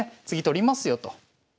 次取りますよと。